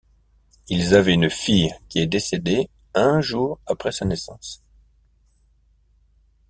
Ils avaient une fille qui est décédée un jour après sa naissance.